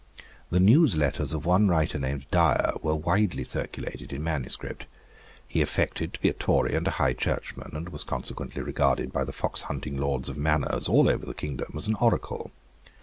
The newsletters of one writer named Dyer were widely circulated in manuscript. He affected to be a Tory and a High Churchman, and was consequently regarded by the foxhunting lords of manors, all over the kingdom, as an oracle.